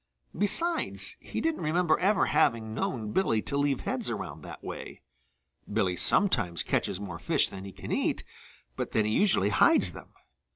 Besides, he didn't remember ever having known Billy to leave heads around that way. Billy sometimes catches more fish than he can eat, but then he usually hides them.